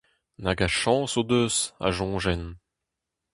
Nag a chañs o deus, a soñjen.